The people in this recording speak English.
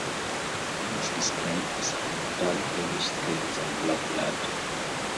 One is described as having dark greenish scales and black blood.